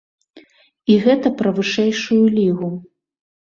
І гэта пра вышэйшую лігу.